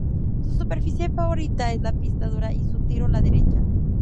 Su superficie favorita es la pista dura y su tiro la derecha.